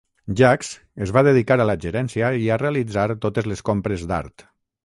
Jacques es va dedicar a la gerència i a realitzar totes les compres d'art.